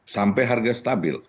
sampai harga stabil